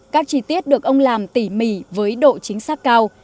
các chi tiết được ông làm tỉ mỉ với độ chính xác cao